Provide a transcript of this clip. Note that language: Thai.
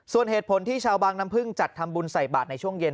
ส่วนเหตุผลที่ชาวบางน้ำพึ่งจัดทำบุญใส่บาทในช่วงเย็น